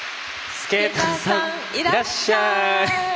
「スケーターさんいらっしゃい」。